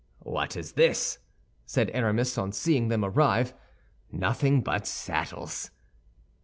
"What is this?" said Aramis, on seeing them arrive. "Nothing but saddles?"